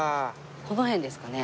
この辺ですかね？